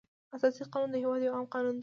اساسي قانون د هېواد یو عام قانون دی.